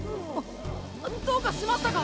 どうかしましたか？